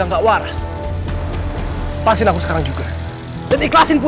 aku pasti tahu siapa lu sebenarnya